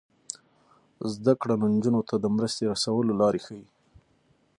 زده کړه نجونو ته د مرستې رسولو لارې ښيي.